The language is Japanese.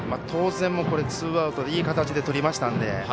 当然、ツーアウトをいい形でとりましたので。